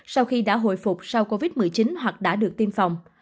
sau khi đã hồi phục sau covid một mươi chín hoặc đã được tiêm phòng